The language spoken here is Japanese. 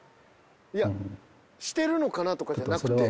「してるのかな」とかじゃなくて。